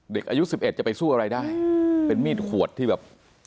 เด็กอายุ๑๑จะไปสู้อะไรได้เป็นมีดขวดที่แบบ